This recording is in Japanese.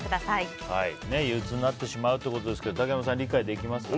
憂鬱になってしまうということですが竹山さん、理解できますか？